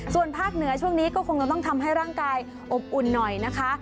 ส่วนภาคเหนือช่วงนี้ก็คงจะต้องทำให้ร่างกายอบอุ่นหน่อยนะคะ